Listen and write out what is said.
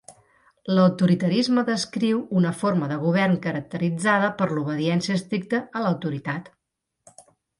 L'autoritarisme descriu una forma de govern caracteritzada per l'obediència estricta a l'autoritat.